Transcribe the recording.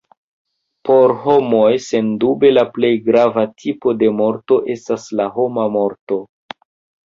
Por homoj, sendube la plej grava tipo de morto estas la homa morto.